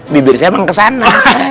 bibir saya memang ke sana